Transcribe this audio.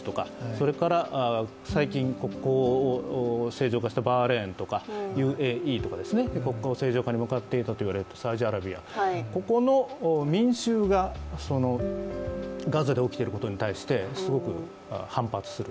それから最近国交正常化したバーレーンとかＵＡＥとか国交正常化に向かっていたとされるサウジアラビアここの民衆がガザで起きていることに対してすごく反発する。